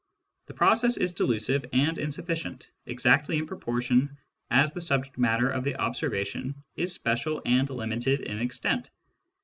The process is delusive and insufficient, exactly in proportion as the subject matter of the observation is special and limited in extent.